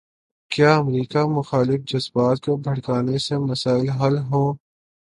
کیا امریکہ مخالف جذبات کو بھڑکانے سے مسائل حل ہوں۔